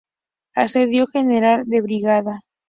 Ascendió a general de Brigada.